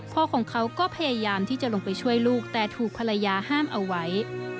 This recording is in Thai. ของเขาก็พยายามที่จะลงไปช่วยลูกแต่ถูกภรรยาห้ามเอาไว้